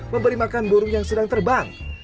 membeli makanan burung yang sedang terbang